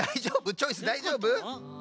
チョイスだいじょうぶ？